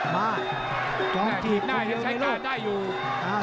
มาจองจีบคนเดียวเลยลูก